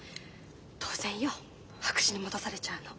当然よ白紙に戻されちゃうの。